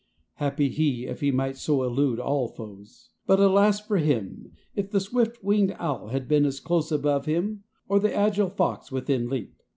Happy he, if he might so elude all foes; but alas for him, if the swift winged owl had been as close above him or the agile fox within leap.